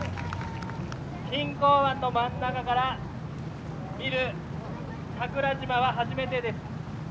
錦江湾の真ん中から見る桜島は初めてです。